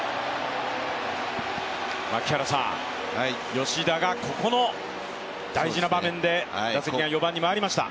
吉田がここの大事な場面で打席が４番に回りました。